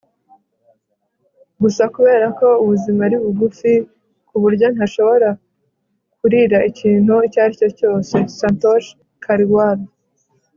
gusa kubera ko ubuzima ari bugufi cyane ku buryo ntashobora kurira ikintu icyo ari cyo cyose. - santosh kalwar